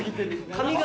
髪形